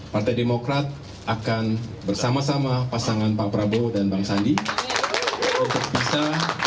partai demokrat akan bersama sama pasangan pak prabowo dan bang sandi untuk bisa